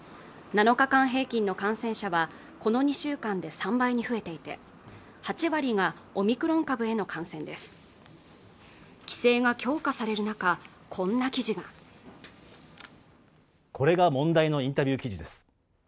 ７日間平均の感染者はこの２週間で３倍に増えていて８割がオミクロン株への感染です規制が強化される中こんな記事がこれが問題のインタビュー記事です